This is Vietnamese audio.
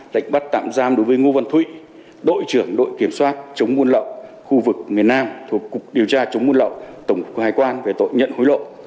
lệnh bắt tạm giam đối với ngô văn thụy đội trưởng đội kiểm soát chống buôn lậu khu vực miền nam thuộc cục điều tra chống buôn lậu tổng cục hải quan về tội nhận hối lộ